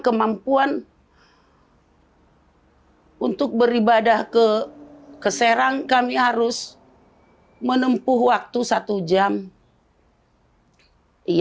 benar benar sangat sedih sekali